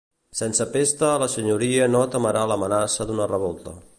Sense pesta la Senyoria no temerà I'amenaça d'una revolta.